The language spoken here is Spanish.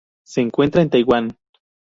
Se encuentra en Taiwán.